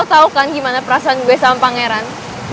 tau kan gimana perasaan gue sama pangeran